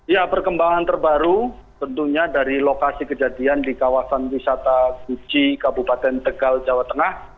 ya perkembangan terbaru tentunya dari lokasi kejadian di kawasan wisata guci kabupaten tegal jawa tengah